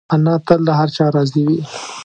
انا تل له هر چا راضي وي